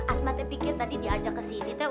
asmatnya pikir tadi diajak ke sini